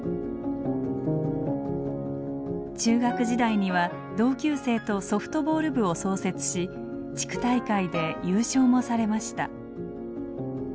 中学時代には同級生とソフトボール部を創設し地区大会で優勝もされました。